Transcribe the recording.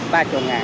tại chỗ ngã